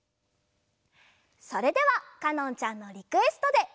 それではかのんちゃんのリクエストで。